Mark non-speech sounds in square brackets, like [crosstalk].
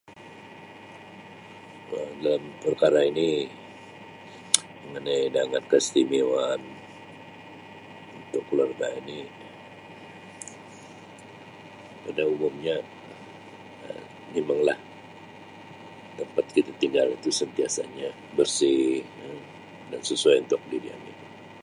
Dalam perkara ini [noise] mengenai [unintelligible] keistimewaan untuk keluarga ini pada umumnya Um memanglah tempat kita tinggal itu sentiasanya bersih Um dan sesuai untuk didiami.